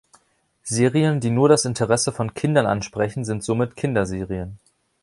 Serien, die nur das Interesse von Kindern ansprechen, sind somit Kinderserien.